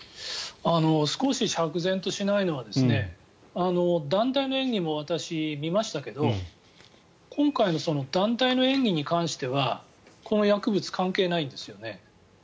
少し釈然としないのは団体の演技も私、見ましたけど今回の団体の演技に関してはこの薬物関係ないんですよね。